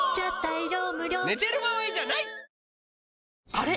あれ？